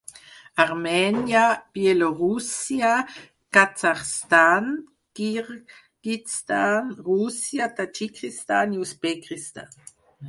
Armènia, Bielorússia, Kazakhstan, Kirguizistan, Rússia, Tadjikistan i Uzbekistan.